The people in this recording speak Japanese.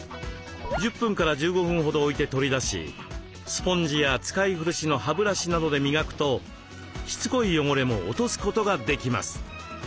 １０分１５分ほど置いて取り出しスポンジや使い古しの歯ブラシなどで磨くとしつこい汚れも落とすことができます。